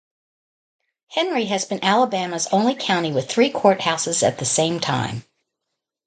Henry has been Alabama's only county with three courthouses at the same time.